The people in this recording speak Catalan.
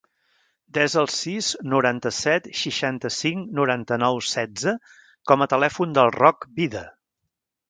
Desa el sis, noranta-set, seixanta-cinc, noranta-nou, setze com a telèfon del Roc Vida.